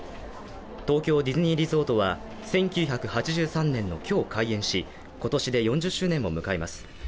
東京ディズニーリゾートは、１９８３年の今日開園し、今年で４０周年を迎えます。